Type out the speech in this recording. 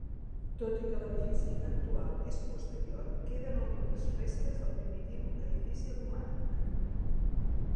Tot i que l'edifici actual és posterior, queden algunes restes del primitiu edifici romànic.